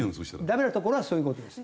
ダメなところはそういう事です。